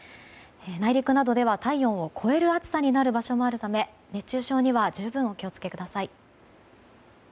内陸などでは体温を超える暑さになる場所もあるため熱中症には十分お気を付けください。